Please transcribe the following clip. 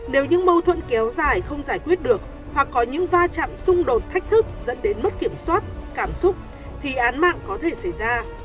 nếu những mâu thuẫn kéo dài không giải quyết được hoặc có những va chạm xung đột thách thức dẫn đến mất kiểm soát cảm xúc thì án mạng có thể xảy ra